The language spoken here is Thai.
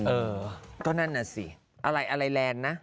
เออก็นั่นน่ะสิอะไรอะไรแลนด์นะ